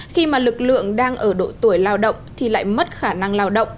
khi mà lực lượng đang ở độ tuổi lao động thì lại mất khả năng lao động